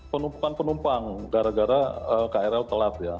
penumpang penumpang gara gara eee krl telat ya